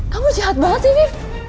kamu jahat banget sih wif